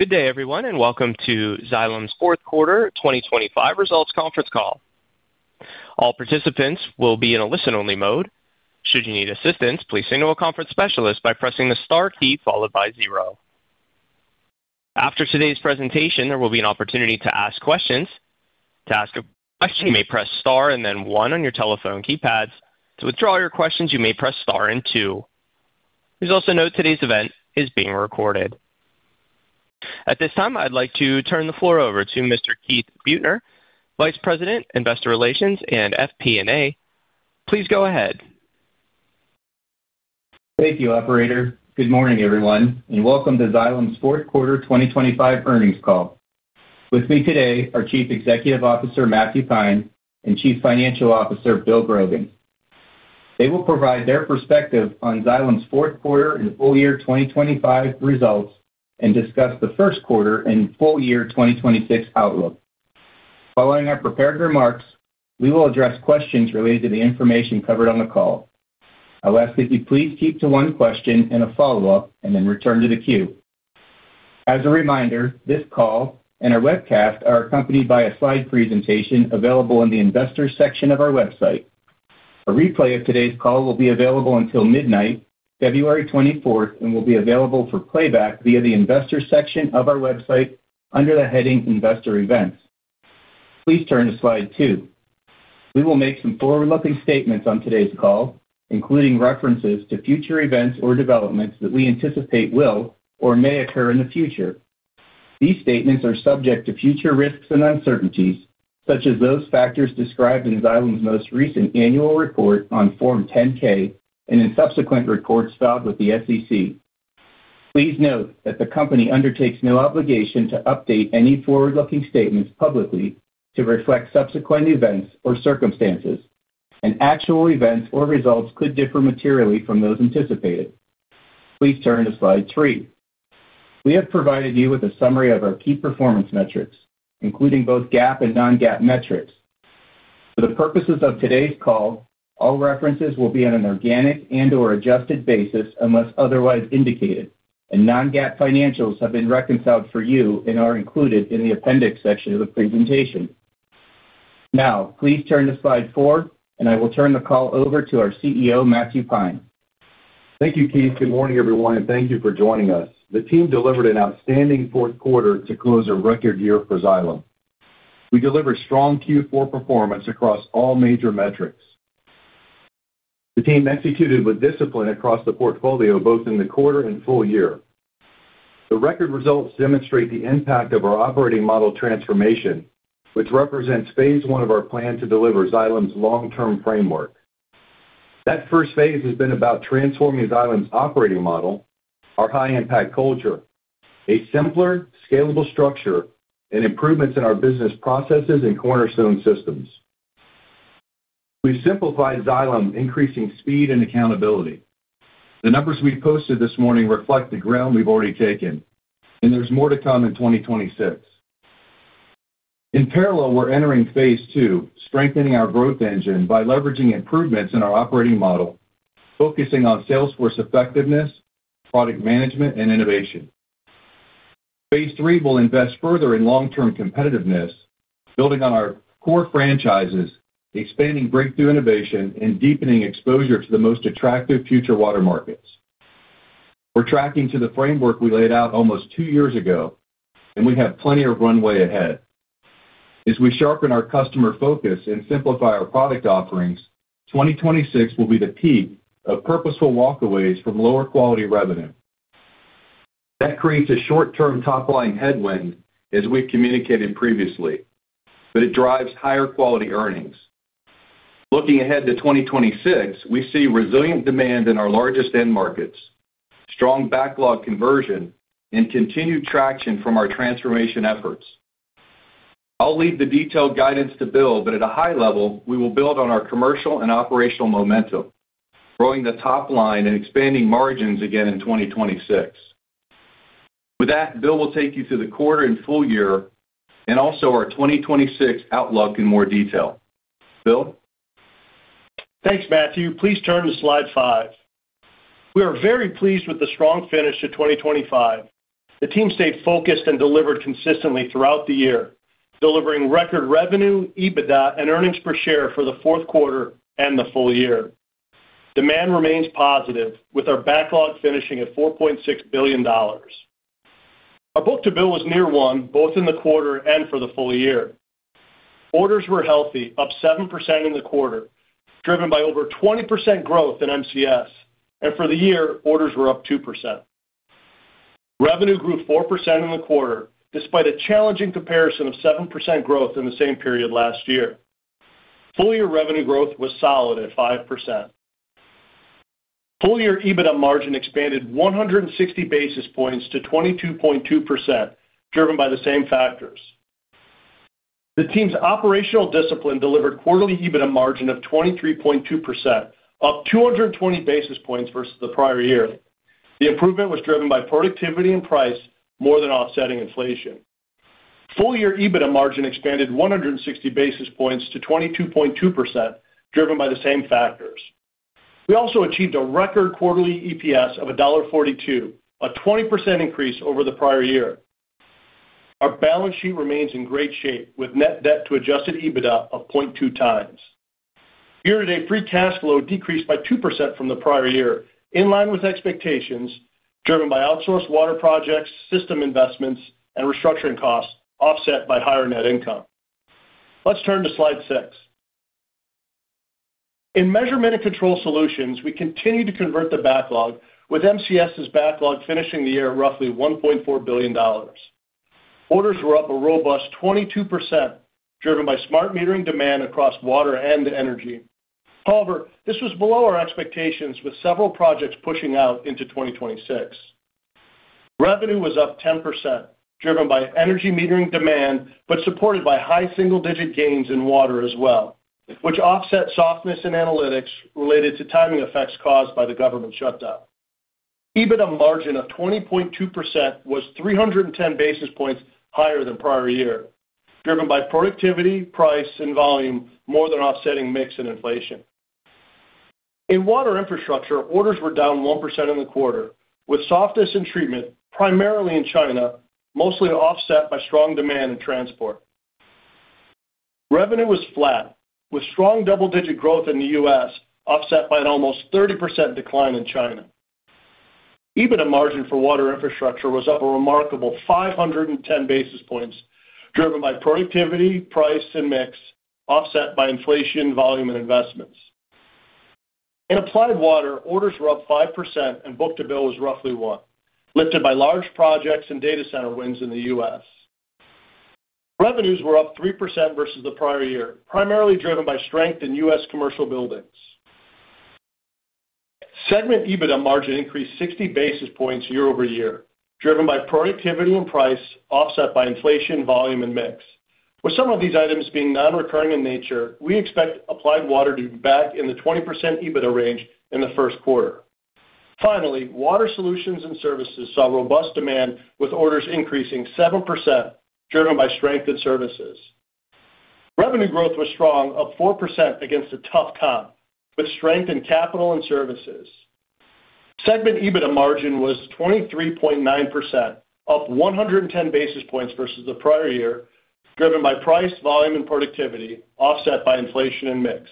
Good day, everyone, and welcome to Xylem's fourth quarter 2025 results conference call. All participants will be in a listen-only mode. Should you need assistance, please signal a conference specialist by pressing the star key followed by zero. After today's presentation, there will be an opportunity to ask questions. To ask a question, you may press star and then one on your telephone keypads. To withdraw your questions, you may press star and two. Please also note today's event is being recorded. At this time, I'd like to turn the floor over to Mr. Keith Buettner, Vice President, Investor Relations, and FP&A. Please go ahead Thank you, Operator. Good morning, everyone, and welcome to Xylem's fourth quarter 2025 earnings call. With me today are Chief Executive Officer Matthew Pine and Chief Financial Officer Bill Grogan. They will provide their perspective on Xylem's fourth quarter and full year 2025 results and discuss the first quarter and full year 2026 outlook. Following our prepared remarks, we will address questions related to the information covered on the call. I'll ask that you please keep to one question and a follow-up, and then return to the queue. As a reminder, this call and our webcast are accompanied by a slide presentation available in the Investors section of our website. A replay of today's call will be available until midnight, February 24th, and will be available for playback via the Investors section of our website under the heading Investor Events. Please turn to slide two. We will make some forward-looking statements on today's call, including references to future events or developments that we anticipate will or may occur in the future. These statements are subject to future risks and uncertainties, such as those factors described in Xylem's most recent annual report on Form 10-K and in subsequent reports filed with the SEC. Please note that the company undertakes no obligation to update any forward-looking statements publicly to reflect subsequent events or circumstances, and actual events or results could differ materially from those anticipated. Please turn to slide three. We have provided you with a summary of our key performance metrics, including both GAAP and non-GAAP metrics. For the purposes of today's call, all references will be on an organic and/or adjusted basis unless otherwise indicated, and non-GAAP financials have been reconciled for you and are included in the appendix section of the presentation. Now, please turn to slide four, and I will turn the call over to our CEO, Matthew Pine. Thank you, Keith. Good morning, everyone, and thank you for joining us. The team delivered an outstanding fourth quarter to close a record year for Xylem. We delivered strong Q4 performance across all major metrics. The team executed with discipline across the portfolio, both in the quarter and full year. The record results demonstrate the impact of our operating model transformation, which represents phase I of our plan to deliver Xylem's long-term framework. That first phase has been about transforming Xylem's operating model, our high-impact culture, a simpler, scalable structure, and improvements in our business processes and cornerstone systems. We've simplified Xylem, increasing speed and accountability. The numbers we posted this morning reflect the ground we've already taken, and there's more to come in 2026. In parallel, we're entering phase II, strengthening our growth engine by leveraging improvements in our operating model, focusing on sales force effectiveness, product management, and innovation. phase III will invest further in long-term competitiveness, building on our core franchises, expanding breakthrough innovation, and deepening exposure to the most attractive future water markets. We're tracking to the framework we laid out almost two years ago, and we have plenty of runway ahead. As we sharpen our customer focus and simplify our product offerings, 2026 will be the peak of purposeful walkaways from lower-quality revenue. That creates a short-term top-line headwind, as we've communicated previously, but it drives higher-quality earnings. Looking ahead to 2026, we see resilient demand in our largest end markets, strong backlog conversion, and continued traction from our transformation efforts. I'll leave the detailed guidance to Bill, but at a high level, we will build on our commercial and operational momentum, growing the top line and expanding margins again in 2026. With that, Bill will take you through the quarter and full year and also our 2026 outlook in more detail. Bill? Thanks, Matthew. Please turn to slide five. We are very pleased with the strong finish to 2025. The team stayed focused and delivered consistently throughout the year, delivering record revenue, EBITDA, and earnings per share for the fourth quarter and the full year. Demand remains positive, with our backlog finishing at $4.6 billion. Our book-to-bill was near 1, both in the quarter and for the full year. Orders were healthy, up 7% in the quarter, driven by over 20% growth in MCS, and for the year, orders were up 2%. Revenue grew 4% in the quarter despite a challenging comparison of 7% growth in the same period last year. Full-year revenue growth was solid at 5%. Full-year EBITDA margin expanded 160 basis points to 22.2%, driven by the same factors. The team's operational discipline delivered quarterly EBITDA margin of 23.2%, up 220 basis points versus the prior year. The improvement was driven by productivity and price more than offsetting inflation. Full-year EBITDA margin expanded 160 basis points to 22.2%, driven by the same factors. We also achieved a record quarterly EPS of $1.42, a 20% increase over the prior year. Our balance sheet remains in great shape, with net debt to adjusted EBITDA of 0.2x. Year-to-date free cash flow decreased by 2% from the prior year, in line with expectations, driven by outsourced water projects, system investments, and restructuring costs offset by higher net income. Let's turn to slide six. In Measurement and Control Solutions, we continue to convert the backlog, with MCS's backlog finishing the year at roughly $1.4 billion. Orders were up a robust 22%, driven by smart metering demand across water and energy. However, this was below our expectations, with several projects pushing out into 2026. Revenue was up 10%, driven by energy metering demand but supported by high single-digit gains in water as well, which offset softness in analytics related to timing effects caused by the government shutdown. EBITDA margin of 20.2% was 310 basis points higher than prior year, driven by productivity, price, and volume more than offsetting mix and inflation. In Water Infrastructure, orders were down 1% in the quarter, with softness in treatment primarily in China, mostly offset by strong demand and transport. Revenue was flat, with strong double-digit growth in the U.S. offset by an almost 30% decline in China. EBITDA margin for Water Infrastructure was up a remarkable 510 basis points, driven by productivity, price, and mix offset by inflation, volume, and investments. In Applied Water, orders were up 5%, and Book-to-Bill was roughly one, lifted by large projects and data center wins in the U.S. Revenues were up 3% versus the prior year, primarily driven by strength in U.S. commercial buildings. Segment EBITDA margin increased 60 basis points year-over-year, driven by productivity and price offset by inflation, volume, and mix. With some of these items being non-recurring in nature, we expect Applied Water to be back in the 20% EBITDA range in the first quarter. Finally, Water Solutions and Services saw robust demand, with orders increasing 7%, driven by strength and services. Revenue growth was strong, up 4% against a tough comp, with strength in capital and services. Segment EBITDA margin was 23.9%, up 110 basis points versus the prior year, driven by price, volume, and productivity offset by inflation and mix.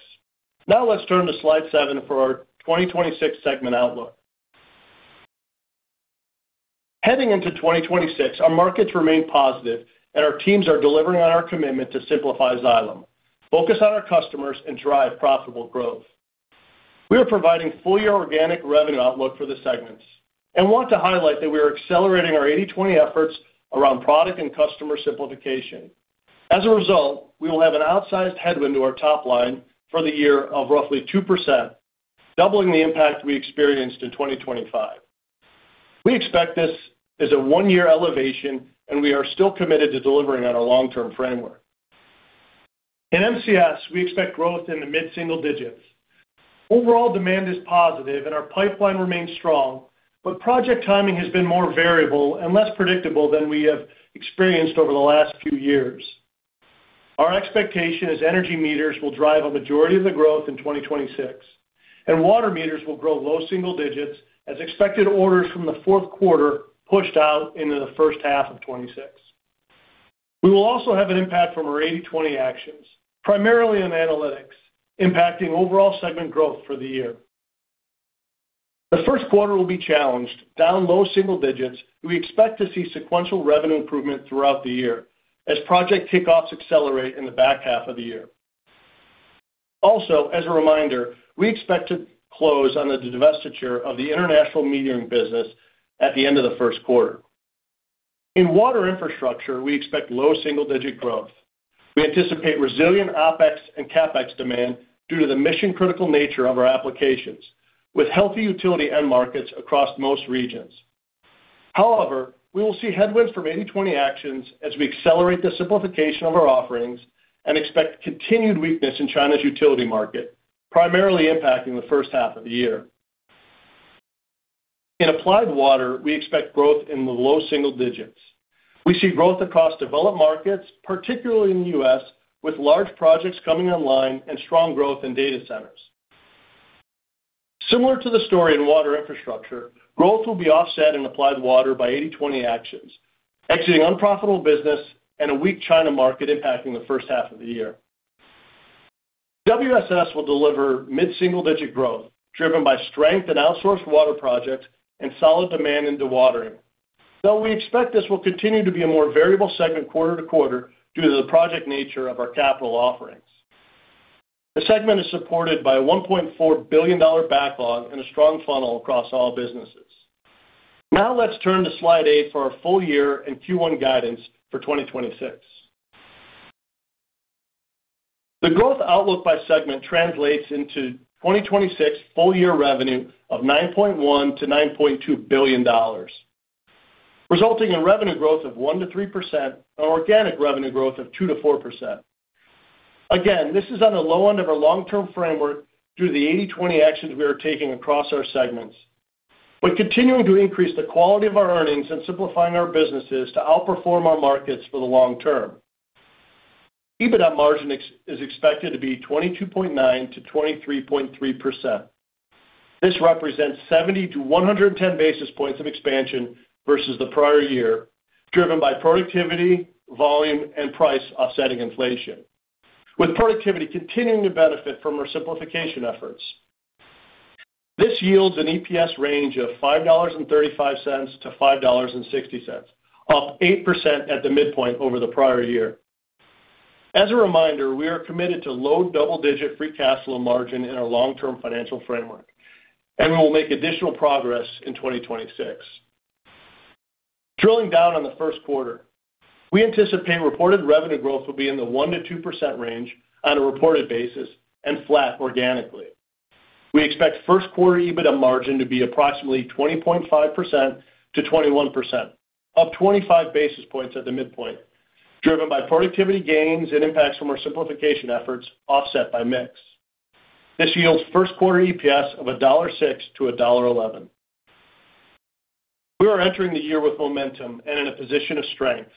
Now let's turn to Slide seven for our 2026 segment outlook. Heading into 2026, our markets remain positive, and our teams are delivering on our commitment to simplify Xylem, focus on our customers, and drive profitable growth. We are providing full-year organic revenue outlook for the segments and want to highlight that we are accelerating our 80/20 efforts around product and customer simplification. As a result, we will have an outsized headwind to our top line for the year of roughly 2%, doubling the impact we experienced in 2025. We expect this is a one-year elevation, and we are still committed to delivering on our long-term framework. In MCS, we expect growth in the mid-single digits. Overall, demand is positive, and our pipeline remains strong, but project timing has been more variable and less predictable than we have experienced over the last few years. Our expectation is energy meters will drive a majority of the growth in 2026, and water meters will grow low single digits as expected orders from the fourth quarter pushed out into the first half of 2026. We will also have an impact from our 80/20 actions, primarily on analytics, impacting overall segment growth for the year. The first quarter will be challenged, down low single digits, and we expect to see sequential revenue improvement throughout the year as project kickoffs accelerate in the back half of the year. Also, as a reminder, we expect to close on the divestiture of the international metering business at the end of the first quarter. In Water Infrastructure, we expect low single-digit growth. We anticipate resilient OPEX and CAPEX demand due to the mission-critical nature of our applications, with healthy utility end markets across most regions. However, we will see headwinds from 80/20 actions as we accelerate the simplification of our offerings and expect continued weakness in China's utility market, primarily impacting the first half of the year. In Applied Water, we expect growth in the low single digits. We see growth across developed markets, particularly in the U.S., with large projects coming online and strong growth in data centers. Similar to the story in Water Infrastructure, growth will be offset in Applied Water by 80/20 actions, exiting unprofitable business and a weak China market impacting the first half of the year. WSS will deliver mid-single digit growth driven by strength in outsourced water projects and solid demand in dewatering. Though we expect this will continue to be a more variable segment quarter to quarter due to the project nature of our capital offerings, the segment is supported by a $1.4 billion backlog and a strong funnel across all businesses. Now let's turn to slide eight for our full year and Q1 guidance for 2026. The growth outlook by segment translates into 2026 full year revenue of $9.1 billion-$9.2 billion, resulting in revenue growth of 1%-3% and organic revenue growth of 2%-4%. Again, this is on the low end of our long-term framework due to the 80/20 actions we are taking across our segments, but continuing to increase the quality of our earnings and simplifying our businesses to outperform our markets for the long term. EBITDA margin is expected to be 22.9%-23.3%. This represents 70-110 basis points of expansion versus the prior year, driven by productivity, volume, and price offsetting inflation, with productivity continuing to benefit from our simplification efforts. This yields an EPS range of $5.35-$5.60, up 8% at the midpoint over the prior year. As a reminder, we are committed to low double-digit free cash flow margin in our long-term financial framework, and we will make additional progress in 2026. Drilling down on the first quarter, we anticipate reported revenue growth will be in the 1%-2% range on a reported basis and flat organically. We expect first quarter EBITDA margin to be approximately 20.5%-21%, up 25 basis points at the midpoint, driven by productivity gains and impacts from our simplification efforts offset by mix. This yields first quarter EPS of $1.06-$1.11. We are entering the year with momentum and in a position of strength.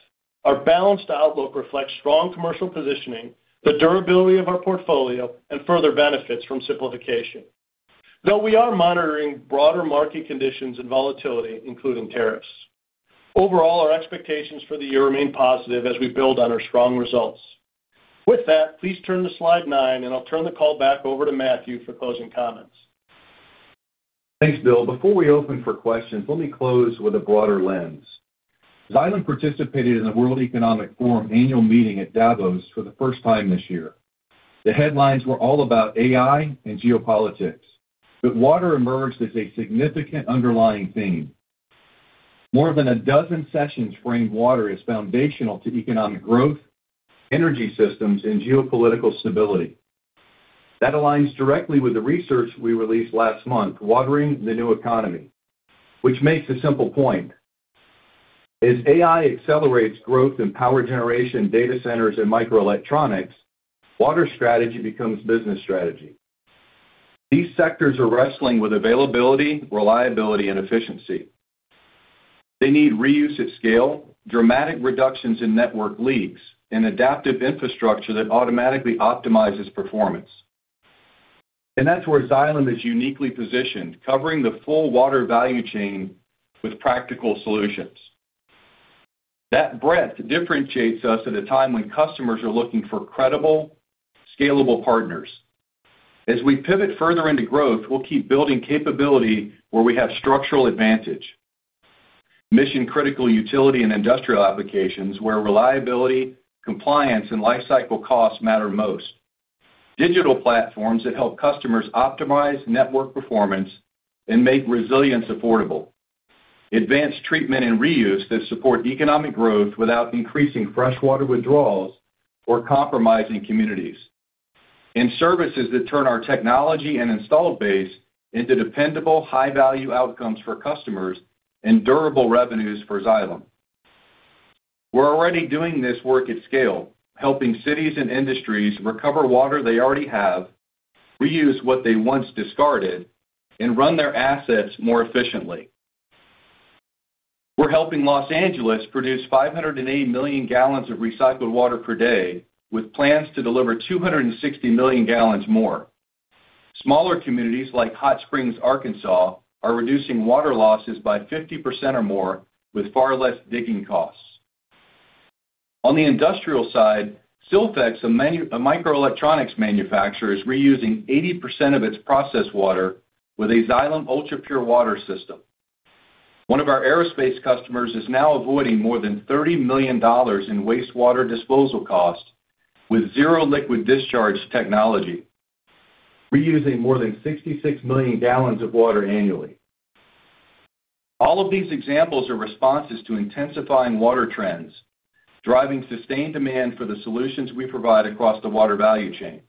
Our balanced outlook reflects strong commercial positioning, the durability of our portfolio, and further benefits from simplification. Though we are monitoring broader market conditions and volatility, including tariffs, overall, our expectations for the year remain positive as we build on our strong results. With that, please turn to slide 9, and I'll turn the call back over to Matthew for closing comments. Thanks, Bill. Before we open for questions, let me close with a broader lens. Xylem participated in the World Economic Forum annual meeting at Davos for the first time this year. The headlines were all about AI and geopolitics, but water emerged as a significant underlying theme. More than a dozen sessions framed water as foundational to economic growth, energy systems, and geopolitical stability. That aligns directly with the research we released last month, Watering the New Economy, which makes a simple point: as AI accelerates growth in power generation, data centers, and microelectronics, water strategy becomes business strategy. These sectors are wrestling with availability, reliability, and efficiency. They need reuse at scale, dramatic reductions in network leaks, and adaptive infrastructure that automatically optimizes performance. And that's where Xylem is uniquely positioned, covering the full water value chain with practical solutions. That breadth differentiates us at a time when customers are looking for credible, scalable partners. As we pivot further into growth, we'll keep building capability where we have structural advantage, mission-critical utility and industrial applications where reliability, compliance, and lifecycle costs matter most, digital platforms that help customers optimize network performance and make resilience affordable, advanced treatment and reuse that support economic growth without increasing freshwater withdrawals or compromising communities, and services that turn our technology and installed base into dependable, high-value outcomes for customers and durable revenues for Xylem. We're already doing this work at scale, helping cities and industries recover water they already have, reuse what they once discarded, and run their assets more efficiently. We're helping Los Angeles produce 580 million gallons of recycled water per day, with plans to deliver 260 million gallons more. Smaller communities like Hot Springs, Arkansas, are reducing water losses by 50% or more with far less digging costs. On the industrial side, Silfex, a microelectronics manufacturer, is reusing 80% of its processed water with a Xylem Ultra Pure Water system. One of our aerospace customers is now avoiding more than $30 million in wastewater disposal costs with zero liquid discharge technology, reusing more than 66 million gallons of water annually. All of these examples are responses to intensifying water trends, driving sustained demand for the solutions we provide across the water value chain.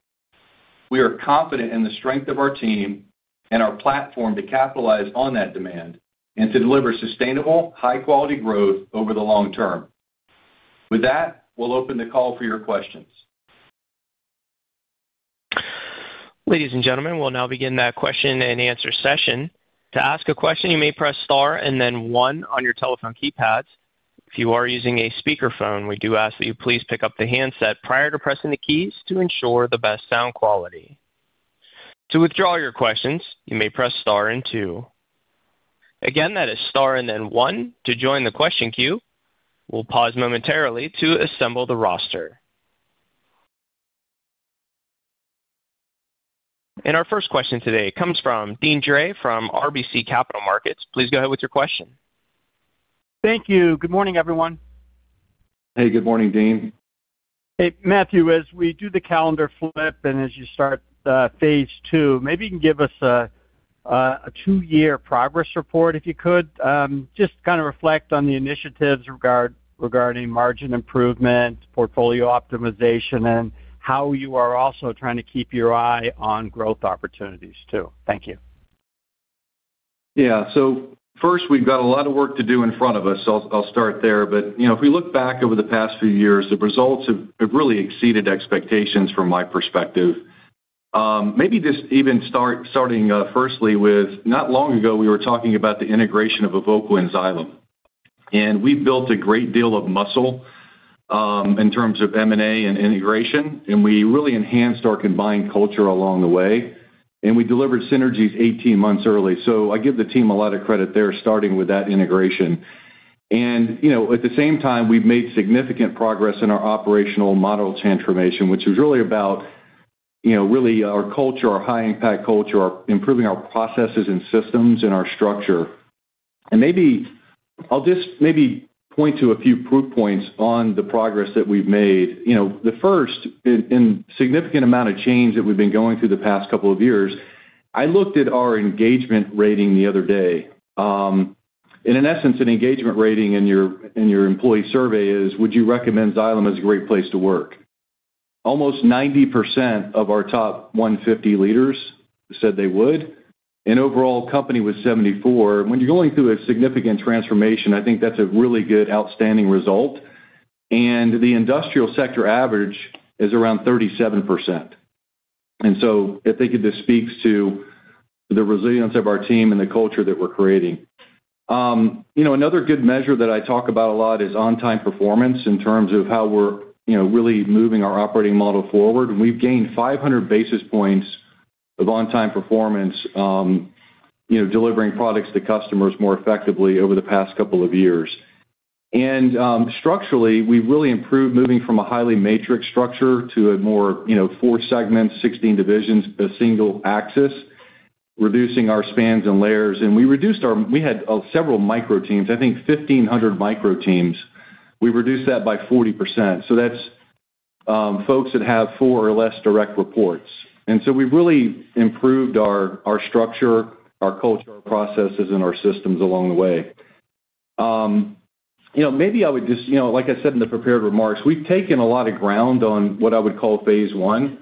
We are confident in the strength of our team and our platform to capitalize on that demand and to deliver sustainable, high-quality growth over the long term. With that, we'll open the call for your questions. Ladies and gentlemen, we'll now begin that question and answer session. To ask a question, you may press star and then one on your telephone keypads. If you are using a speakerphone, we do ask that you please pick up the handset prior to pressing the keys to ensure the best sound quality. To withdraw your questions, you may press star and two. Again, that is star and then one to join the question queue. We'll pause momentarily to assemble the roster. Our first question today comes from Deane Dray from RBC Capital Markets. Please go ahead with your question. Thank you. Good morning, everyone. Hey, good morning, Deane. Hey, Matthew. As we do the calendar flip and as you start phase II, maybe you can give us a two-year progress report, if you could, just kind of reflect on the initiatives regarding margin improvement, portfolio optimization, and how you are also trying to keep your eye on growth opportunities too. Thank you. Yeah. So first, we've got a lot of work to do in front of us. I'll start there. But if we look back over the past few years, the results have really exceeded expectations from my perspective. Maybe just even starting firstly with not long ago, we were talking about the integration of Evoqua and Xylem. And we've built a great deal of muscle in terms of M&A and integration. And we really enhanced our combined culture along the way. And we delivered synergies 18 months early. So I give the team a lot of credit there, starting with that integration. And at the same time, we've made significant progress in our operational model transformation, which was really about really our culture, our high-impact culture, improving our processes and systems and our structure. And maybe I'll just maybe point to a few proof points on the progress that we've made. The first in significant amount of change that we've been going through the past couple of years, I looked at our engagement rating the other day. In essence, an engagement rating in your employee survey is, "Would you recommend Xylem as a great place to work?" Almost 90% of our top 150 leaders said they would. Overall, company was 74%. When you're going through a significant transformation, I think that's a really good, outstanding result. The industrial sector average is around 37%. So I think it just speaks to the resilience of our team and the culture that we're creating. Another good measure that I talk about a lot is on-time performance in terms of how we're really moving our operating model forward. We've gained 500 basis points of on-time performance delivering products to customers more effectively over the past couple of years. Structurally, we've really improved moving from a highly matrix structure to a more four segments, 16 divisions, a single axis, reducing our spans and layers. We reduced. We had several micro teams, I think 1,500 micro teams. We reduced that by 40%. So that's folks that have four or less direct reports. So we've really improved our structure, our culture, our processes, and our systems along the way. Maybe I would just, like I said in the prepared remarks, we've taken a lot of ground on what I would call phase I.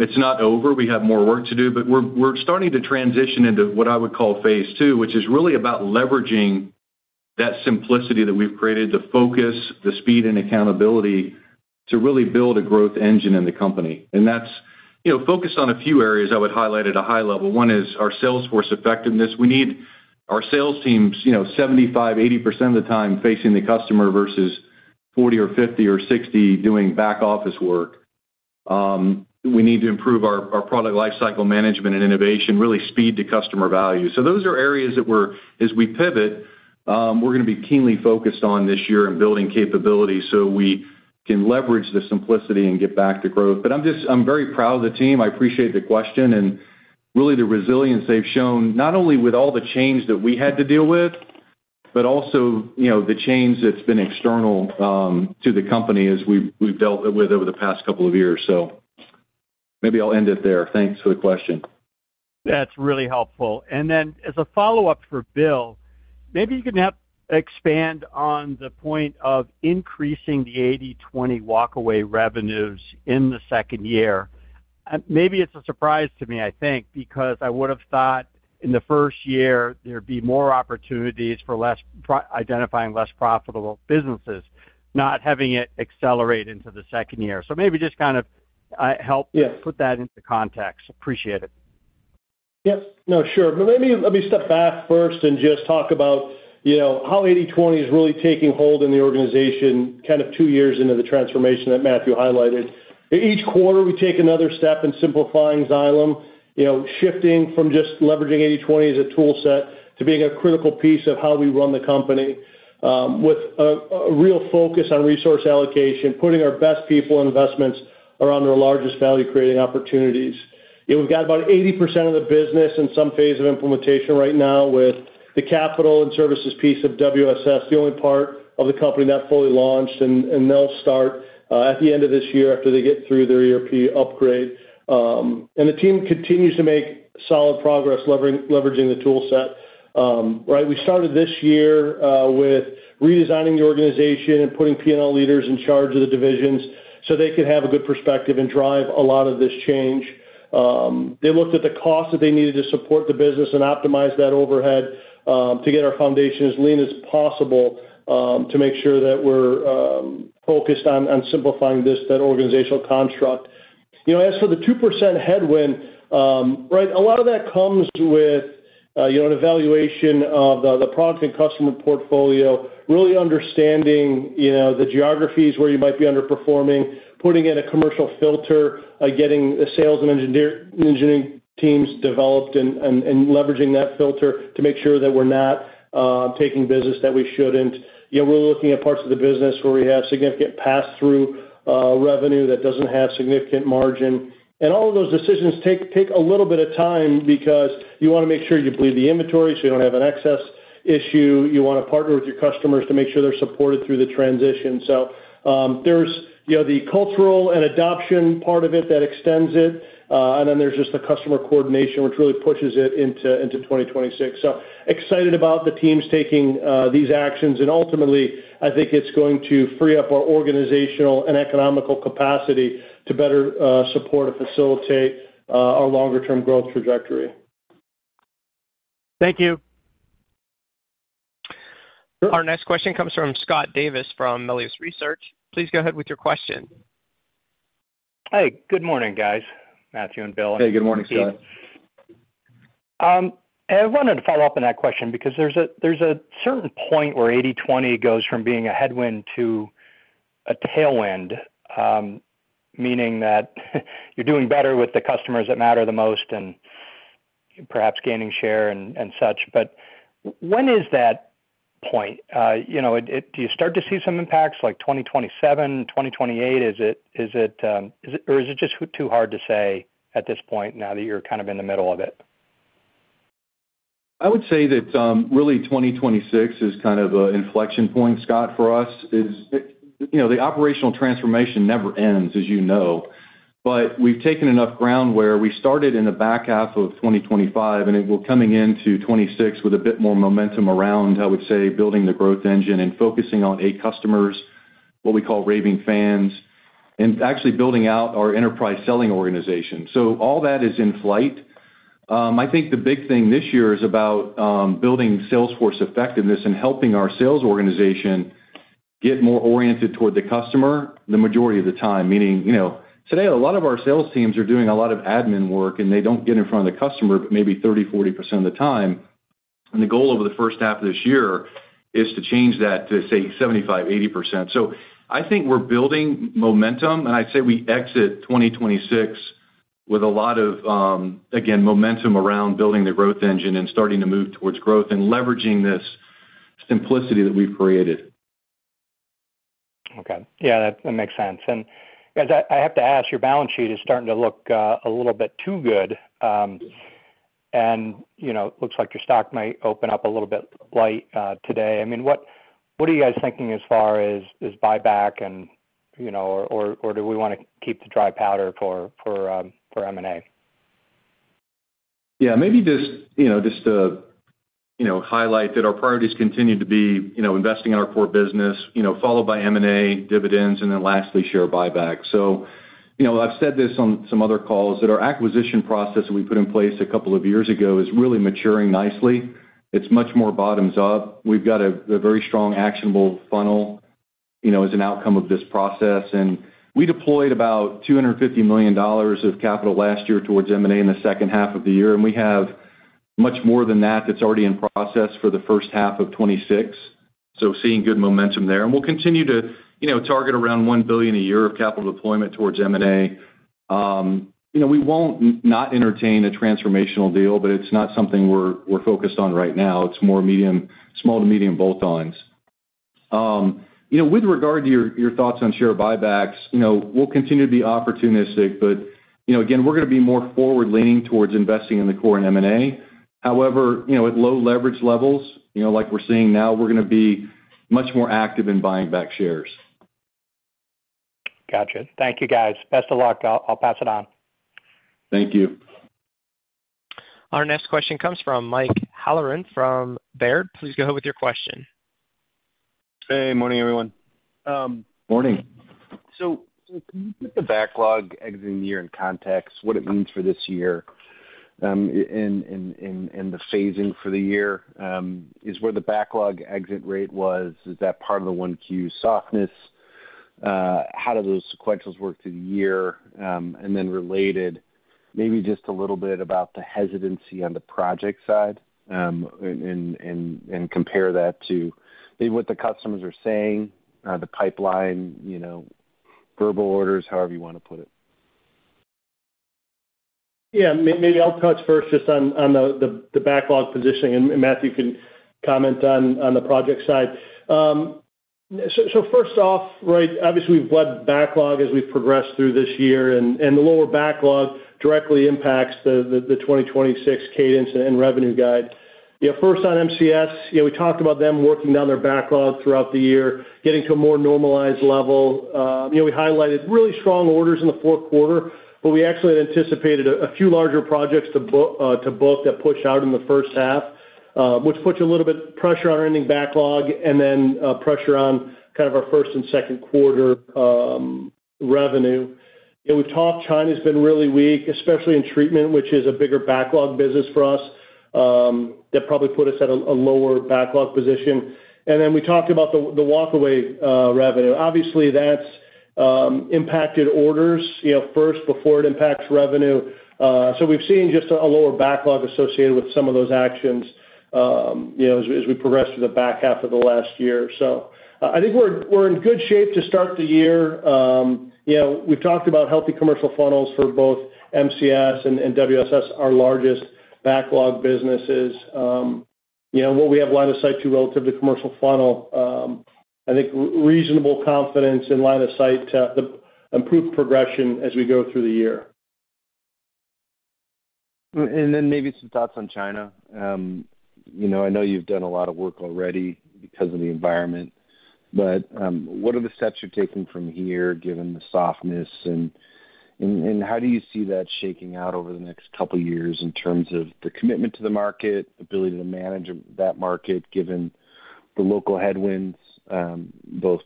It's not over. We have more work to do. But we're starting to transition into what I would call phase II, which is really about leveraging that simplicity that we've created, the focus, the speed, and accountability to really build a growth engine in the company. And that's focused on a few areas I would highlight at a high level. One is our sales force effectiveness. Our sales team's 75%-80% of the time facing the customer versus 40, 50 or 60 doing back-office work. We need to improve our product lifecycle management and innovation, really speed to customer value. So those are areas that we're, as we pivot, we're going to be keenly focused on this year in building capability so we can leverage the simplicity and get back to growth. But I'm very proud of the team. I appreciate the question and really the resilience they've shown not only with all the change that we had to deal with but also the change that's been external to the company as we've dealt with over the past couple of years. So maybe I'll end it there. Thanks for the question. That's really helpful. And then as a follow-up for Bill, maybe you can expand on the point of increasing the 80/20 walk-away revenues in the second year. Maybe it's a surprise to me, I think, because I would have thought in the first year, there'd be more opportunities for identifying less profitable businesses, not having it accelerate into the second year. So maybe just kind of help put that into context. Appreciate it. Yes. No, sure. But let me step back first and just talk about how 80/20 is really taking hold in the organization kind of two years into the transformation that Matthew highlighted. Each quarter, we take another step in simplifying Xylem, shifting from just leveraging 80/20 as a toolset to being a critical piece of how we run the company with a real focus on resource allocation, putting our best people and investments around our largest value-creating opportunities. We've got about 80% of the business in some phase of implementation right now with the capital and services piece of WSS, the only part of the company that fully launched. And they'll start at the end of this year after they get through their ERP upgrade. And the team continues to make solid progress leveraging the toolset, right? We started this year with redesigning the organization and putting P&L leaders in charge of the divisions so they could have a good perspective and drive a lot of this change. They looked at the cost that they needed to support the business and optimize that overhead to get our foundation as lean as possible to make sure that we're focused on simplifying this, that organizational construct. As for the 2% headwind, right, a lot of that comes with an evaluation of the product and customer portfolio, really understanding the geographies where you might be underperforming, putting in a commercial filter, getting the sales and engineering teams developed, and leveraging that filter to make sure that we're not taking business that we shouldn't. We're looking at parts of the business where we have significant pass-through revenue that doesn't have significant margin. All of those decisions take a little bit of time because you want to make sure you bleed the inventory so you don't have an excess issue. You want to partner with your customers to make sure they're supported through the transition. So there's the cultural and adoption part of it that extends it. And then there's just the customer coordination, which really pushes it into 2026. So excited about the teams taking these actions. And ultimately, I think it's going to free up our organizational and economical capacity to better support and facilitate our longer-term growth trajectory. Thank you. Our next question comes from Scott Davis from Melius Research. Please go ahead with your question. Hey. Good morning, guys, Matthew and Bill. Hey. Good morning, Scott. I wanted to follow up on that question because there's a certain point where 80/20 goes from being a headwind to a tailwind, meaning that you're doing better with the customers that matter the most and perhaps gaining share and such. But when is that point? Do you start to see some impacts, like 2027, 2028? Or is it just too hard to say at this point now that you're kind of in the middle of it? I would say that really 2026 is kind of an inflection point, Scott, for us. The operational transformation never ends, as you know. But we've taken enough ground where we started in the back half of 2025, and we're coming into 2026 with a bit more momentum around, I would say, building the growth engine and focusing on eight customers, what we call raving fans, and actually building out our enterprise selling organization. So all that is in flight. I think the big thing this year is about building salesforce effectiveness and helping our sales organization get more oriented toward the customer the majority of the time, meaning today, a lot of our sales teams are doing a lot of admin work, and they don't get in front of the customer maybe 30%-40% of the time. The goal over the first half of this year is to change that to, say, 75%-80%. I think we're building momentum. I'd say we exit 2026 with a lot of, again, momentum around building the growth engine and starting to move towards growth and leveraging this simplicity that we've created. Okay. Yeah, that makes sense. And guys, I have to ask, your balance sheet is starting to look a little bit too good. And it looks like your stock might open up a little bit light today. I mean, what are you guys thinking as far as buyback, or do we want to keep the dry powder for M&A? Yeah. Maybe just to highlight that our priorities continue to be investing in our core business, followed by M&A, dividends, and then lastly, share buyback. So I've said this on some other calls, that our acquisition process that we put in place a couple of years ago is really maturing nicely. It's much more bottoms up. We've got a very strong, actionable funnel as an outcome of this process. And we deployed about $250 million of capital last year towards M&A in the second half of the year. And we have much more than that that's already in process for the first half of 2026. So we're seeing good momentum there. And we'll continue to target around $1 billion a year of capital deployment towards M&A. We won't not entertain a transformational deal, but it's not something we're focused on right now. It's more small to medium bolt-ons. With regard to your thoughts on share buybacks, we'll continue to be opportunistic. But again, we're going to be more forward-leaning towards investing in the core and M&A. However, at low leverage levels, like we're seeing now, we're going to be much more active in buying back shares. Gotcha. Thank you, guys. Best of luck. I'll pass it on. Thank you. Our next question comes from Mike Halloran from Baird. Please go ahead with your question. Hey. Morning, everyone. Morning. So can you put the backlog exiting the year in context, what it means for this year and the phasing for the year? Is where the backlog exit rate was, is that part of the ongoing softness? How do those sequentials work through the year? And then related, maybe just a little bit about the hesitancy on the project side and compare that to maybe what the customers are saying, the pipeline, verbal orders, however you want to put it. Yeah. Maybe I'll touch first just on the backlog positioning. And Matthew, you can comment on the project side. So first off, right, obviously, we've built backlog as we've progressed through this year. And the lower backlog directly impacts the 2026 cadence and revenue guide. First on MCS, we talked about them working down their backlog throughout the year, getting to a more normalized level. We highlighted really strong orders in the fourth quarter. But we actually had anticipated a few larger projects to book that pushed out in the first half, which puts a little bit of pressure on our ending backlog and then pressure on kind of our first and second quarter revenue. We've talked China's been really weak, especially in treatment, which is a bigger backlog business for us that probably put us at a lower backlog position. And then we talked about the walk-away revenue. Obviously, that's impacted orders first before it impacts revenue. So we've seen just a lower backlog associated with some of those actions as we progress through the back half of the last year. So I think we're in good shape to start the year. We've talked about healthy commercial funnels for both MCS and WSS, our largest backlog businesses. What we have line of sight to relative to commercial funnel, I think reasonable confidence in line of sight to improve progression as we go through the year. Maybe some thoughts on China. I know you've done a lot of work already because of the environment. What are the steps you're taking from here given the softness? How do you see that shaking out over the next couple of years in terms of the commitment to the market, ability to manage that market given the local headwinds, both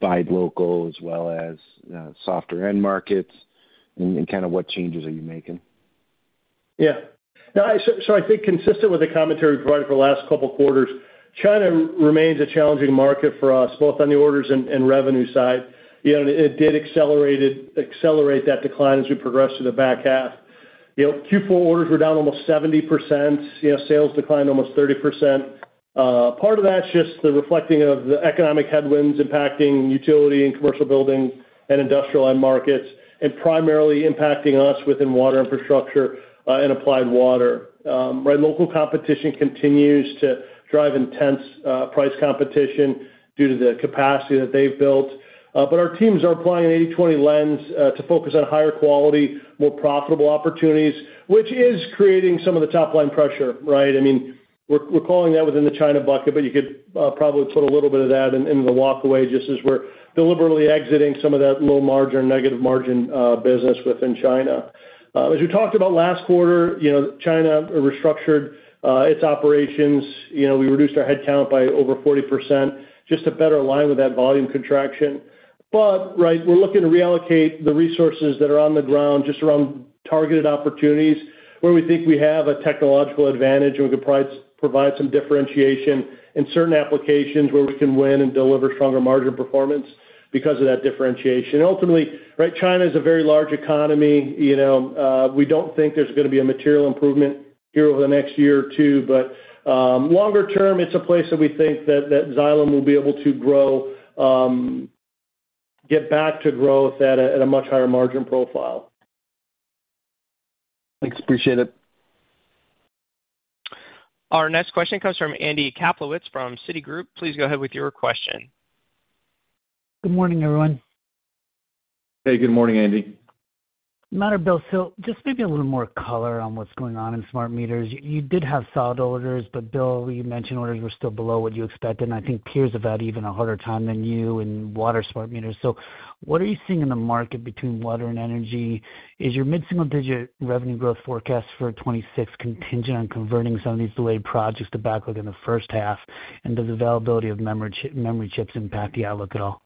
buy local as well as softer-end markets? Kind of what changes are you making? Yeah. No, so I think consistent with the commentary we provided for the last couple of quarters, China remains a challenging market for us both on the orders and revenue side. And it did accelerate that decline as we progressed through the back half. Q4 orders were down almost 70%. Sales declined almost 30%. Part of that's just the reflecting of the economic headwinds impacting utility and commercial building and industrial-end markets and primarily impacting us within Water Infrastructure and Applied Water, right? Local competition continues to drive intense price competition due to the capacity that they've built. But our teams are applying an 80/20 lens to focus on higher quality, more profitable opportunities, which is creating some of the top-line pressure, right? I mean, we're calling that within the China bucket, but you could probably put a little bit of that into the walk-away just as we're deliberately exiting some of that low-margin or negative-margin business within China. As we talked about last quarter, China restructured its operations. We reduced our headcount by over 40% just to better align with that volume contraction. But, right, we're looking to reallocate the resources that are on the ground just around targeted opportunities where we think we have a technological advantage, and we could provide some differentiation in certain applications where we can win and deliver stronger margin performance because of that differentiation. And ultimately, right, China is a very large economy. We don't think there's going to be a material improvement here over the next year or two. But longer term, it's a place that we think that Xylem will be able to get back to growth at a much higher margin profile. Thanks. Appreciate it. Our next question comes from Andy Kaplowitz from Citigroup. Please go ahead with your question. Good morning, everyone. Hey. Good morning, Andy. Matt, Bill, so just maybe a little more color on what's going on in smart meters. You did have solid orders, but, Bill, you mentioned orders were still below what you expected. I think peers have had even a harder time than you in water smart meters. What are you seeing in the market between water and energy? Is your mid-single-digit revenue growth forecast for 2026 contingent on converting some of these delayed projects to backlog in the first half? Does availability of memory chips impact the outlook at all?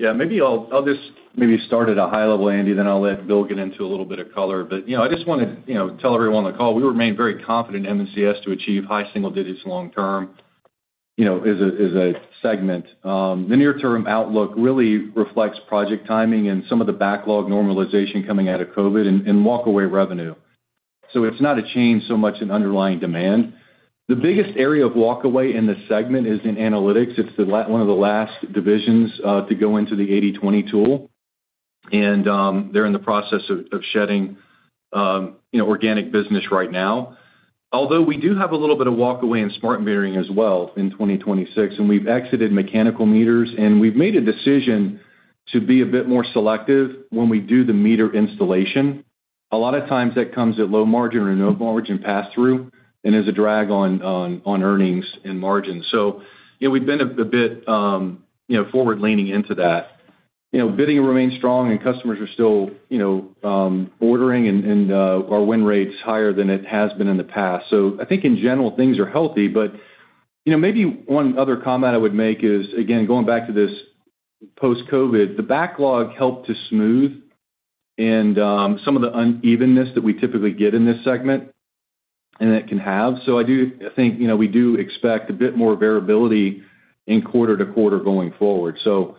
Yeah. Maybe I'll just maybe start at a high level, Andy. Then I'll let Bill get into a little bit of color. But I just want to tell everyone on the call, we remain very confident in MCS to achieve high single digits long-term as a segment. The near-term outlook really reflects project timing and some of the backlog normalization coming out of COVID and walk-away revenue. So it's not a change so much in underlying demand. The biggest area of walk-away in the segment is in analytics. It's one of the last divisions to go into the 80/20 tool. And they're in the process of shedding organic business right now. Although we do have a little bit of walk-away in smart metering as well in 2026. And we've exited mechanical meters. And we've made a decision to be a bit more selective when we do the meter installation. A lot of times, that comes at low margin or no margin pass-through and is a drag on earnings and margins. So we've been a bit forward-leaning into that. Bidding remains strong, and customers are still ordering. And our win rate's higher than it has been in the past. So I think, in general, things are healthy. But maybe one other comment I would make is, again, going back to this post-COVID, the backlog helped to smooth some of the unevenness that we typically get in this segment and that it can have. So I do think we do expect a bit more variability in quarter-to-quarter going forward. So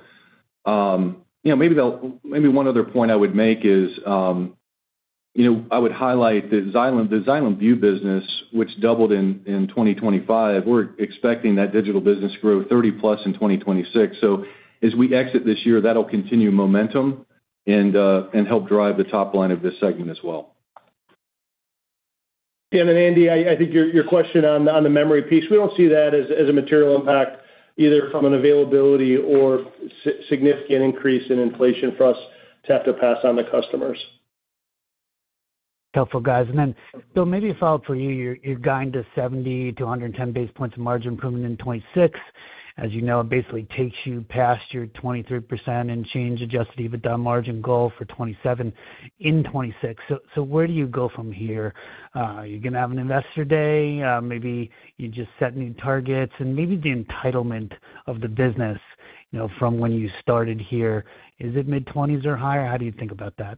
maybe one other point I would make is I would highlight the Xylem Vue business, which doubled in 2025. We're expecting that digital business to grow 30+ in 2026. So as we exit this year, that'll continue momentum and help drive the top line of this segment as well. Yeah. And then, Andy, I think your question on the memory piece, we don't see that as a material impact either from an availability or significant increase in inflation for us to have to pass on to customers. Helpful, guys. Then, Bill, maybe a follow-up for you. You're guiding to 70-110 basis points of margin improvement in 2026. As you know, it basically takes you past your 23% and change adjusted EBITDA margin goal for 2027 in 2026. So where do you go from here? Are you going to have an investor day? Maybe you just set new targets. And maybe the entitlement of the business from when you started here, is it mid-20s or higher? How do you think about that?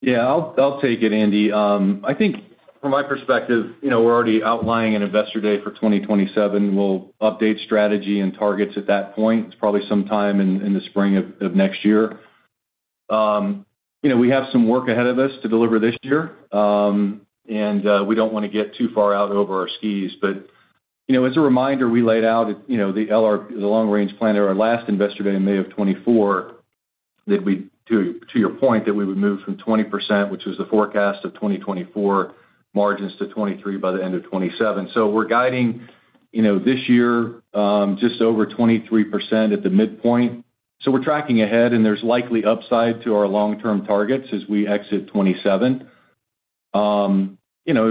Yeah. I'll take it, Andy. I think, from my perspective, we're already outlining an investor day for 2027. We'll update strategy and targets at that point. It's probably sometime in the spring of next year. We have some work ahead of us to deliver this year. We don't want to get too far out over our skis. But as a reminder, we laid out the long-range plan at our last investor day in May of 2024 that, to your point, that we would move from 20%, which was the forecast of 2024, margins to 23% by the end of 2027. So we're guiding this year just over 23% at the midpoint. So we're tracking ahead. And there's likely upside to our long-term targets as we exit 2027.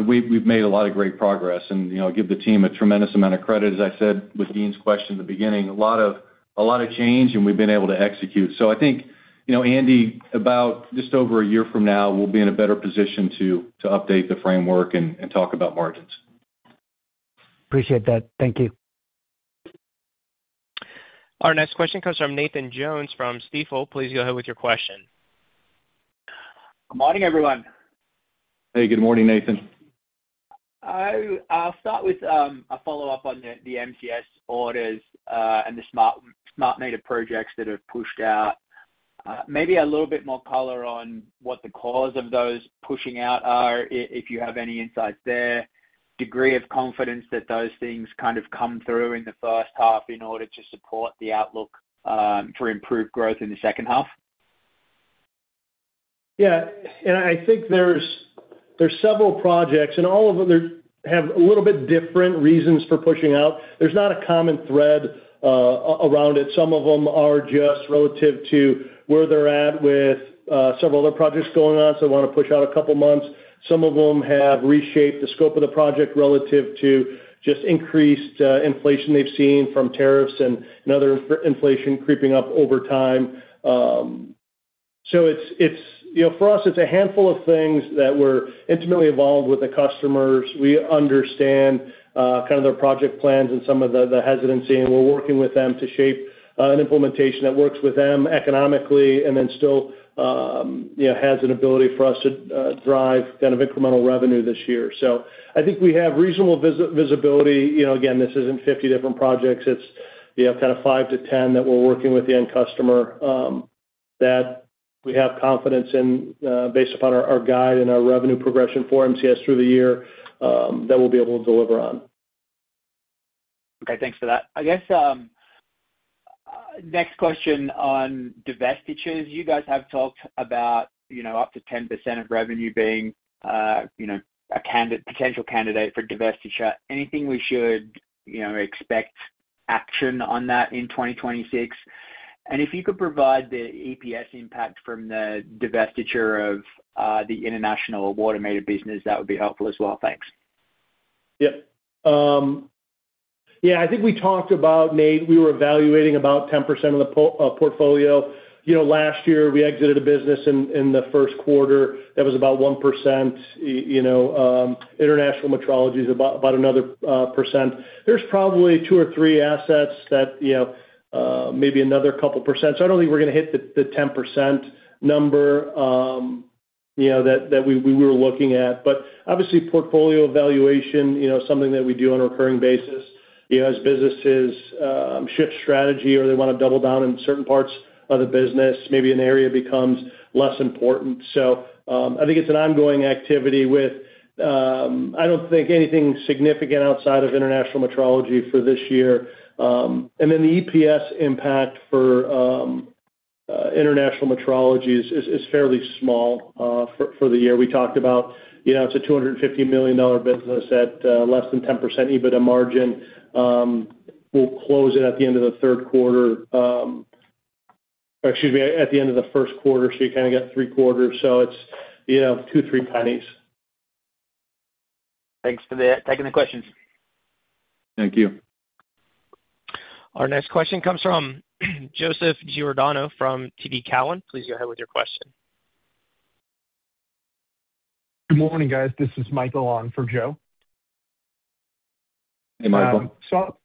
We've made a lot of great progress. And I'll give the team a tremendous amount of credit, as I said with Deane's question at the beginning, a lot of change, and we've been able to execute. So I think, Andy, about just over a year from now, we'll be in a better position to update the framework and talk about margins. Appreciate that. Thank you. Our next question comes from Nathan Jones from Stifel. Please go ahead with your question. Good morning, everyone. Hey. Good morning, Nathan. I'll start with a follow-up on the MCS orders and the smart-meter projects that have pushed out. Maybe a little bit more color on what the cause of those pushing out are, if you have any insights there, degree of confidence that those things kind of come through in the first half in order to support the outlook for improved growth in the second half. Yeah. I think there's several projects. All of them have a little bit different reasons for pushing out. There's not a common thread around it. Some of them are just relative to where they're at with several other projects going on. They want to push out a couple of months. Some of them have reshaped the scope of the project relative to just increased inflation they've seen from tariffs and other inflation creeping up over time. For us, it's a handful of things that we're intimately involved with the customers. We understand kind of their project plans and some of the hesitancy. We're working with them to shape an implementation that works with them economically and then still has an ability for us to drive kind of incremental revenue this year. I think we have reasonable visibility. Again, this isn't 50 different projects. It's kind of five-10 that we're working with the end customer that we have confidence in based upon our guide and our revenue progression for MCS through the year that we'll be able to deliver on. Okay. Thanks for that. I guess next question on divestitures. You guys have talked about up to 10% of revenue being a potential candidate for divestiture. Anything we should expect action on that in 2026? And if you could provide the EPS impact from the divestiture of the international water-meter business, that would be helpful as well. Thanks. Yep. Yeah. I think we talked about, Nate, we were evaluating about 10% of the portfolio. Last year, we exited a business in the first quarter that was about 1%. International metrology is about another percent. There's probably two or three assets that maybe another couple of percent. So I don't think we're going to hit the 10% number that we were looking at. But obviously, portfolio evaluation, something that we do on a recurring basis. As businesses shift strategy or they want to double down in certain parts of the business, maybe an area becomes less important. So I think it's an ongoing activity with I don't think anything significant outside of international metrology for this year. And then the EPS impact for international metrology is fairly small for the year. We talked about it's a $250 million business at less than 10% EBITDA margin. We'll close it at the end of the third quarter or excuse me, at the end of the first quarter. So you kind of got three quarters. So it's $0.02-$0.03. Thanks for that. Taking the questions. Thank you. Our next question comes from Joseph Giordano from TD Cowen. Please go ahead with your question. Good morning, guys. This is Michael on for Joe. Hey, Michael. So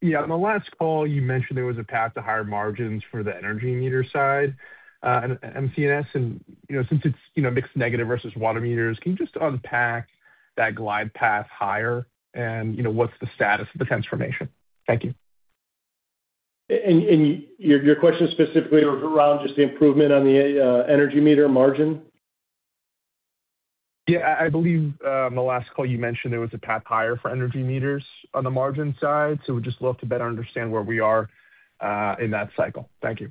yeah, on the last call, you mentioned there was a path to higher margins for the energy meter side at MCS. And since it's mixed negative versus water meters, can you just unpack that glide path higher? And what's the status of the transformation? Thank you. Your question specifically was around just the improvement on the energy meter margin? Yeah. I believe on the last call, you mentioned there was a path higher for energy meters on the margin side. So we'd just love to better understand where we are in that cycle? Thank you.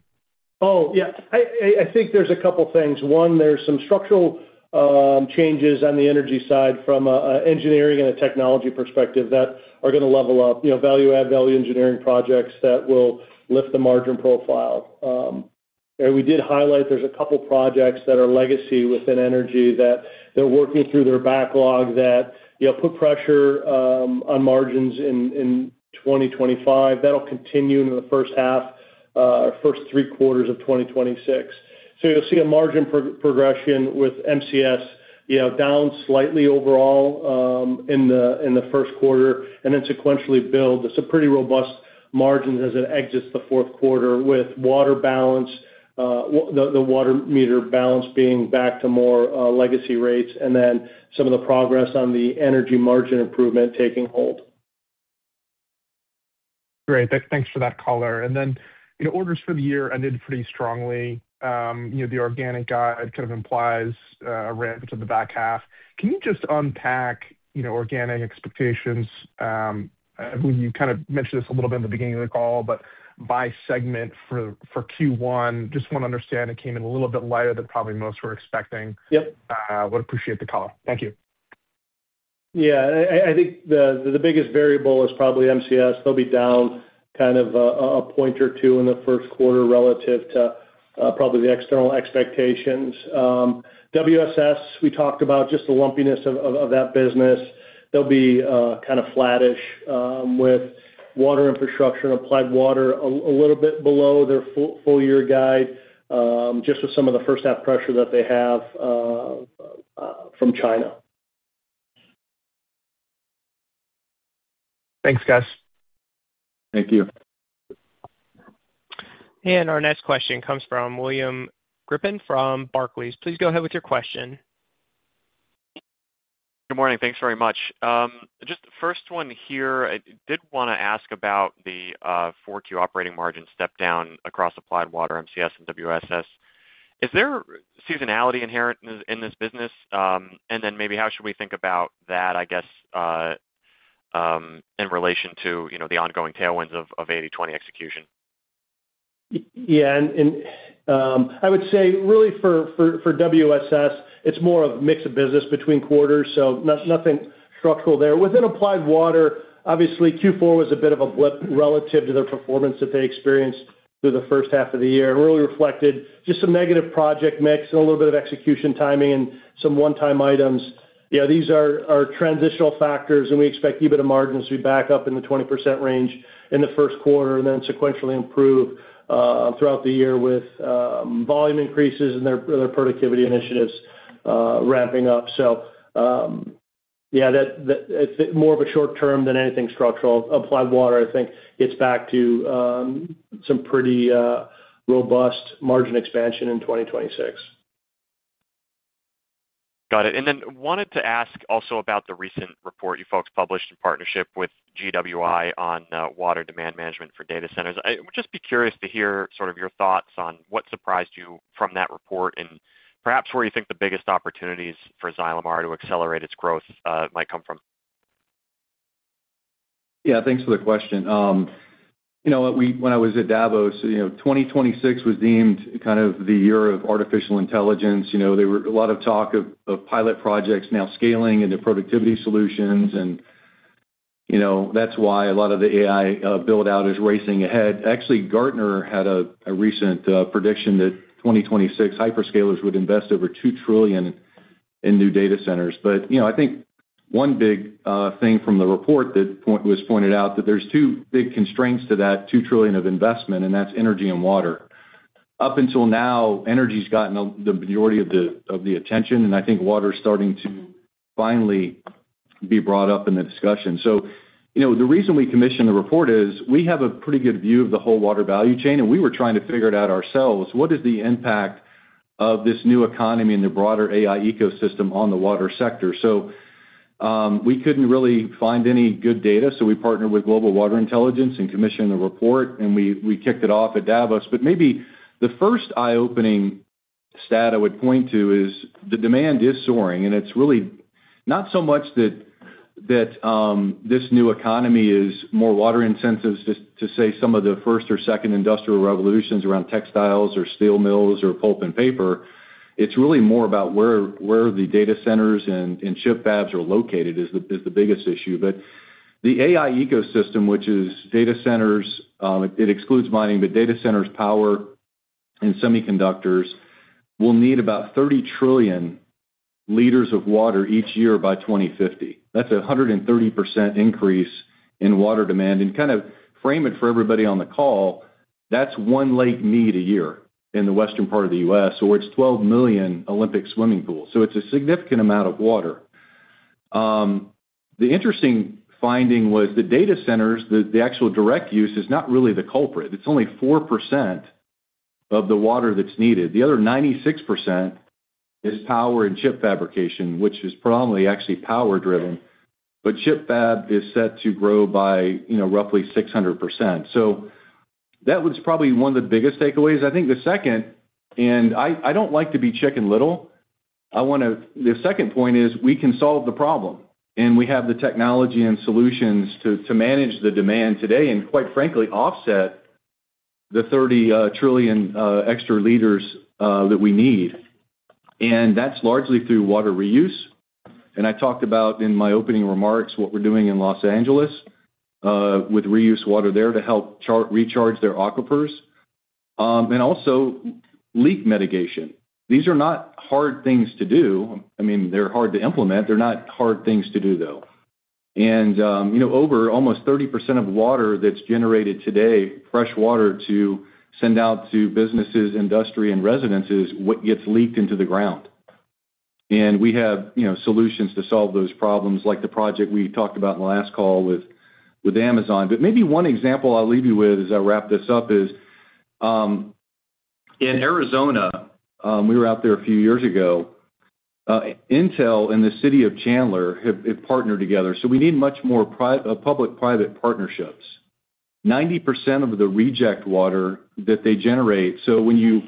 Oh, yeah. I think there's a couple of things. One, there's some structural changes on the energy side from an engineering and a technology perspective that are going to level up, value-add, value engineering projects that will lift the margin profile. And we did highlight there's a couple of projects that are legacy within energy that they're working through their backlog that put pressure on margins in 2025. That'll continue into the first half or first three quarters of 2026. So you'll see a margin progression with MCS down slightly overall in the first quarter and then sequentially build. It's a pretty robust margin as it exits the fourth quarter with water balance, the water meter balance being back to more legacy rates, and then some of the progress on the energy margin improvement taking hold. Great. Thanks for that color. Then orders for the year ended pretty strongly. The organic guide kind of implies a rampage of the back half. Can you just unpack organic expectations? I believe you kind of mentioned this a little bit in the beginning of the call, but by segment for Q1, just want to understand it came in a little bit lighter than probably most were expecting. I would appreciate the color. Thank you. Yeah. I think the biggest variable is probably MCS. They'll be down kind of a point or two in the first quarter relative to probably the external expectations. WSS, we talked about just the lumpiness of that business. They'll be kind of flatish with Water Infrastructure, Applied Water a little bit below their full-year guide just with some of the first-half pressure that they have from China. Thanks, guys. Thank you. Our next question comes from William Griffin from Barclays. Please go ahead with your question. Good morning. Thanks very much. Just the first one here, I did want to ask about the 4Q operating margin step-down across Applied Water, MCS and WSS. Is there seasonality inherent in this business? And then maybe how should we think about that, I guess, in relation to the ongoing tailwinds of 80/20 execution? Yeah. And I would say, really, for WSS, it's more of a mix of business between quarters. So nothing structural there. Within Applied Water, obviously, Q4 was a bit of a blip relative to their performance that they experienced through the first half of the year and really reflected just some negative project mix and a little bit of execution timing and some one-time items. These are transitional factors. And we expect EBITDA margins to be back up in the 20% range in the first quarter and then sequentially improve throughout the year with volume increases and their productivity initiatives ramping up. So yeah, it's more of a short-term than anything structural. Applied Water, I think, gets back to some pretty robust margin expansion in 2026. Got it. Then wanted to ask also about the recent report you folks published in partnership with GWI on water demand management for data centers. I would just be curious to hear sort of your thoughts on what surprised you from that report and perhaps where you think the biggest opportunities for Xylem to accelerate its growth might come from. Yeah. Thanks for the question. When I was at Davos, 2026 was deemed kind of the year of artificial intelligence. There was a lot of talk of pilot projects now scaling into productivity solutions. That's why a lot of the AI build-out is racing ahead. Actually, Gartner had a recent prediction that 2026, hyperscalers would invest over $2 trillion in new data centers. But I think one big thing from the report that was pointed out, that there's two big constraints to that $2 trillion of investment. And that's energy and water. Up until now, energy's gotten the majority of the attention. And I think water's starting to finally be brought up in the discussion. The reason we commissioned the report is we have a pretty good view of the whole water value chain. And we were trying to figure it out ourselves. What is the impact of this new economy and the broader AI ecosystem on the water sector? We couldn't really find any good data. We partnered with Global Water Intelligence and commissioned the report. We kicked it off at Davos. Maybe the first eye-opening stat I would point to is the demand is soaring. It's really not so much that this new economy is more water intensive, just to say some of the first or second industrial revolutions around textiles or steel mills or pulp and paper. It's really more about where the data centers and chip fabs are located is the biggest issue. The AI ecosystem, which is data centers - it excludes mining - but data centers, power, and semiconductors will need about 30 trillion liters of water each year by 2050. That's a 130% increase in water demand. Kind of frame it for everybody on the call. That's one Lake Mead a year in the western part of the U.S. Or it's 12 million Olympic swimming pools. So it's a significant amount of water. The interesting finding was the data centers, the actual direct use is not really the culprit. It's only 4% of the water that's needed. The other 96% is power and chip fabrication, which is predominantly actually power-driven. But chip fab is set to grow by roughly 600%. So that was probably one of the biggest takeaways. I think the second and I don't like to be Chicken Little. The second point is we can solve the problem. And we have the technology and solutions to manage the demand today and, quite frankly, offset the 30 trillion extra liters that we need. And that's largely through water reuse. I talked about in my opening remarks what we're doing in Los Angeles with reuse water there to help recharge their aquifers and also leak mitigation. These are not hard things to do. I mean, they're hard to implement. They're not hard things to do, though. And over almost 30% of water that's generated today, fresh water to send out to businesses, industry, and residences, gets leaked into the ground. And we have solutions to solve those problems like the project we talked about in the last call with Amazon. But maybe one example I'll leave you with as I wrap this up is in Arizona - we were out there a few years ago - Intel and the city of Chandler have partnered together. So we need much more public-private partnerships. 90% of the reject water that they generate, so when you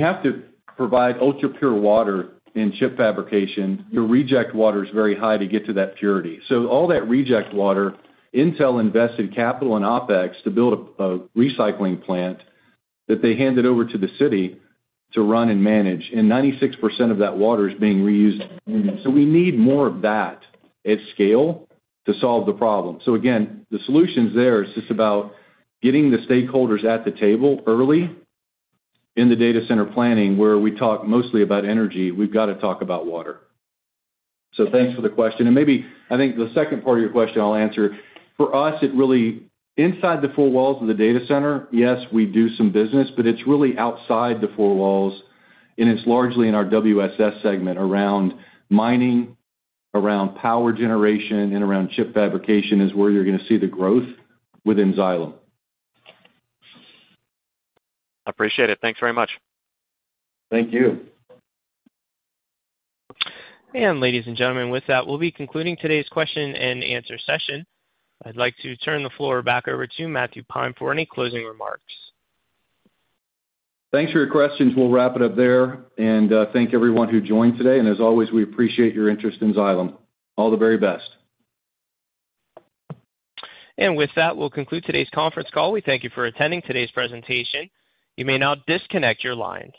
have to provide ultra-pure water in chip fabrication, your reject water is very high to get to that purity. So all that reject water, Intel invested capital in OpEx to build a recycling plant that they handed over to the city to run and manage. And 96% of that water is being reused. So we need more of that at scale to solve the problem. So again, the solutions there is just about getting the stakeholders at the table early. In the data center planning, where we talk mostly about energy, we've got to talk about water. So thanks for the question. And maybe I think the second part of your question I'll answer. For us, inside the four walls of the data center, yes, we do some business. But it's really outside the four walls. It's largely in our WSS segment around mining, around power generation, and around chip fabrication is where you're going to see the growth within Xylem. I appreciate it. Thanks very much. Thank you. Ladies and gentlemen, with that, we'll be concluding today's question and answer session. I'd like to turn the floor back over to Matthew Pine for any closing remarks. Thanks for your questions. We'll wrap it up there. Thank everyone who joined today. As always, we appreciate your interest in Xylem. All the very best. With that, we'll conclude today's conference call. We thank you for attending today's presentation. You may now disconnect your lines.